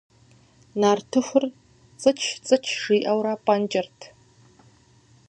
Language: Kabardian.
Нартыхур цӏыч-цӏыч жиӏэурэ пӏэнкӏырт.